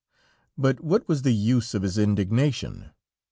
But what was the use of his indignation?